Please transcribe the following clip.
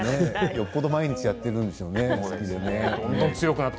よっぽど毎日練習してるんでしょうね。